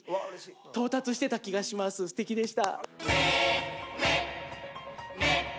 すてきでした。